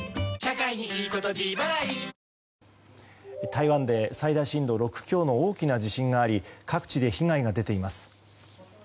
台湾で最大震度６強の大きな地震があり各地で被害が出ています。